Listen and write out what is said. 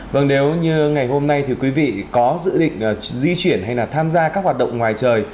vâng nếu như ngày hôm nay thì quý vị có dự định di chuyển hay là tham gia các hoạt động ngoài trời